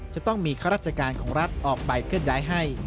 จะต้องมีข้าราชการของรัฐออกไปเคลื่อนย้ายให้